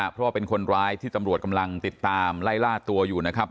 เพราะว่าเป็นคนร้ายที่ตำรวจกำลังติดตามไล่ล่าตัวอยู่นะครับ